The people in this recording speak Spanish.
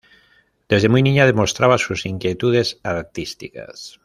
Desde muy niña demostraba sus inquietudes artísticas.